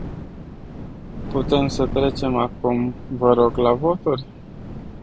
Putem să trecem acum, vă rog, la voturi?